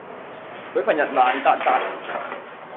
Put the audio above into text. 佢份人爛笪笪